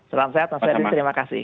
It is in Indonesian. salam sehat mas ferdin terima kasih